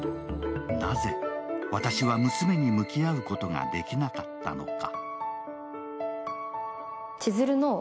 なぜ私は娘に向き合うことができなかったのか。